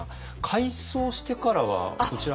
改装してからはこちら。